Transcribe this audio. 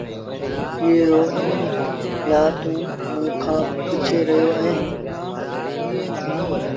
ايٚئي لآ توٚنٚ موٚنٚ کآݩ ڪݩهݩ لآ پُڇي رهيو اهينٚ؟